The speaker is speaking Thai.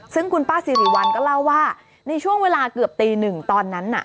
ซึ่งคุณป้าสิริวัลก็เล่าว่าในช่วงเวลาเกือบตีหนึ่งตอนนั้นน่ะ